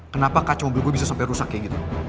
kenapa kaca mobil gue bisa sampai rusak kayak gitu